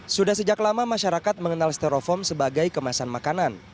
sudah sejak lama masyarakat mengenal stereofoam sebagai kemasan makanan